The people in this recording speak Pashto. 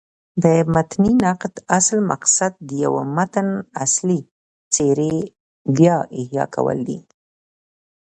د متني نقد اصلي مقصد د یوه متن اصلي څېرې بيا احیا کول دي.